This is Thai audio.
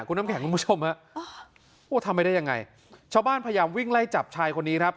คุณน้ำแข็งคุณผู้ชมฮะโอ้ทำไม่ได้ยังไงชาวบ้านพยายามวิ่งไล่จับชายคนนี้ครับ